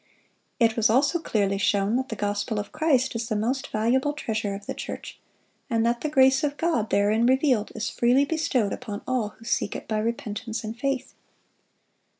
It was also clearly shown that the gospel of Christ is the most valuable treasure of the church, and that the grace of God, therein revealed, is freely bestowed upon all who seek it by repentance and faith.